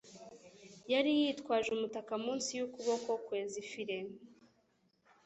Yari yitwaje umutaka munsi yukuboko kwe. (Zifre)